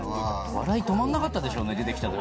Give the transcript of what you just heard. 笑い止まんなかったでしょうね出て来た時。